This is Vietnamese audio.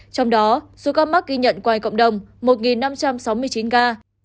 trong đó số ca mắc ghi nhận qua cộng đồng một năm trăm sáu mươi chín ca